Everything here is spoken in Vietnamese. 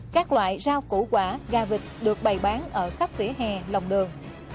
các loại rau củ quả gà vịt được bày bán ở khắp vỉa hè lòng đường